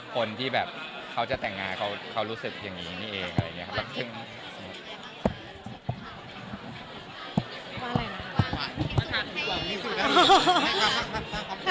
คนที่แบบเขาจะแต่งงานเขารู้สึกอย่างนี้นี่เองอะไรอย่างนี้ครับ